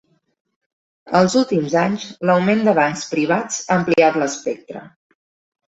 Als últims anys, l"augment de bancs privats ha ampliat l"espectre.